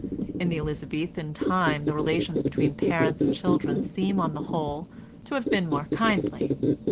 In the Elizabethan time the relations between parents and children seem on the whole to have been more kindly.